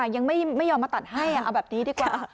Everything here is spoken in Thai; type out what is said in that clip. ยังไม่ยอมมาตัดให้เอาแบบนี้ดีกว่า